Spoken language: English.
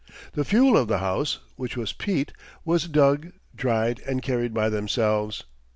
The fuel of the house, which was peat, was dug, dried, and carried by themselves.